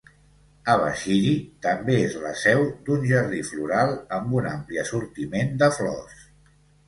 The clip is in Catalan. Abashiri també és la seu d'un jardí floral amb un ampli assortiment de flors.